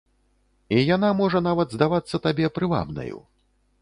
І яна можа нават здавацца табе прывабнаю.